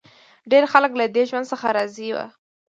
ډېری خلک له دې ژوند څخه راضي و.